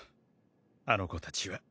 あの子たちは。